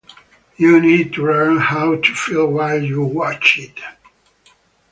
You need to learn how to feel while you watch it.